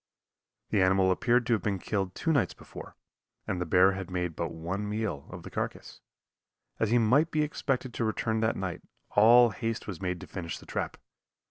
The animal appeared to have been killed two nights before, and the bear had made but one meal off the carcass. As he might be expected to return that night, all haste was made to finish the trap.